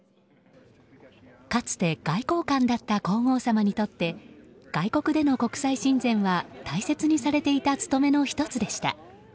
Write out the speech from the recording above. かつて外交官だった皇后さまにとって外国での国際親善は大切にされていた務めの１つでした。